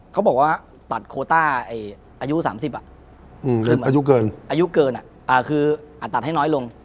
เขาบอกว่าตัดโคต้่ออายุ๓๐อ่ะอืมอายุเกินอ่ะคือจะตัดให้น้อยลง